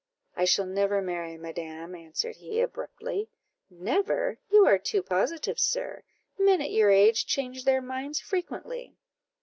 "I shall never marry, madam," answered he abruptly. "Never! you are too positive, sir; men at your age change their minds frequently."